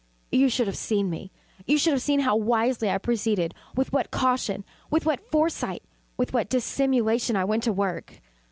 But you should have seen me. You should have seen how wisely I proceeded with what caution with what foresight with what dissimulation I went to work!